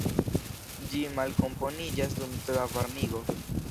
Ĝi malkomponiĝas dum troa varmigo.